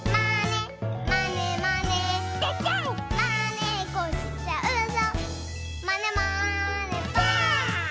「まねっこしちゃうぞまねまねぽん！」